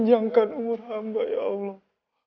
jangankan umur hamba ya allah